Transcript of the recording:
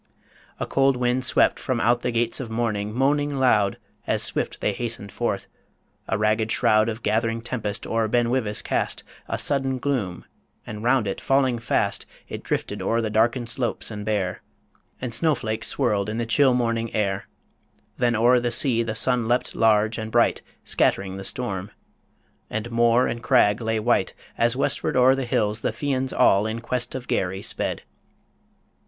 A cold wind swept From out the gates of morning, moaning loud, As swift they hastened forth. A ragged shroud Of gathering tempest o'er Ben Wyvis cast A sudden gloom, and round it, falling fast, It drifted o'er the darkened slopes and bare, And snow flakes swirled in the chill morning air Then o'er the sea, the sun leapt large and bright, Scatt'ring the storm. And moor and crag lay white, As westward o'er the hills the Fians all In quest of Garry sped.